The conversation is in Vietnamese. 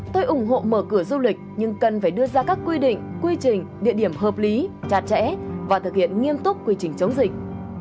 tôi ủng hộ mở cửa du lịch nhưng cần phải đưa ra các quy định quy trình địa điểm hợp lý chặt chẽ và thực hiện nghiêm túc quy trình chống dịch